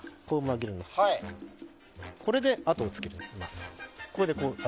これで、跡をつけておきます。